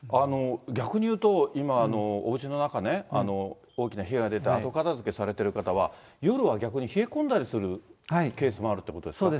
逆に言うと、今、おうちの中ね、大きな被害が出て、後片づけされてる方は、夜は逆に冷え込んだりするケースもあるっていうことですか。